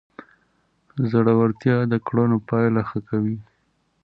زړورتیا د کړنو پایله ښه کوي.